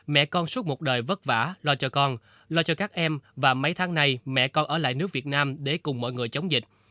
mẹ con suốt một đời vất vả lo cho con lo cho các em và mấy tháng nay mẹ con ở lại nước việt nam để cùng mọi người chống dịch